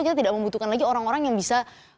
kita tidak membutuhkan lagi orang orang yang bisa